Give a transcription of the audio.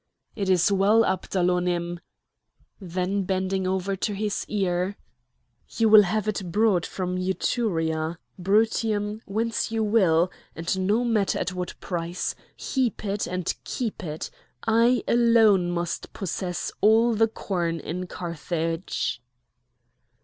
"It is well, Abdalonim!" Then bending over to his ear: "You will have it brought from Etruria, Brutium, whence you will, and no matter at what price! Heap it and keep it! I alone must possess all the corn in Carthage."